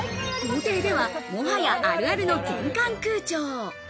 豪邸では、もはや、あるあるの全館空調。